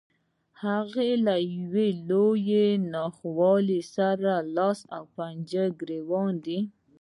هغه له يوې لويې ناخوالې سره لاس او ګرېوان دی.